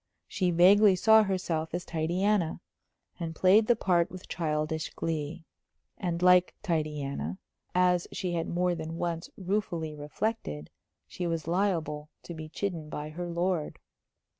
She vaguely saw herself as Titania, and played the part with childish glee. And like Titania, as she had more than once ruefully reflected, she was liable to be chidden by her lord.